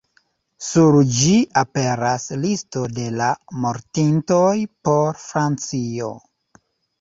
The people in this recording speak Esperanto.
Sur ĝi aperas listo de la mortintoj por Francio.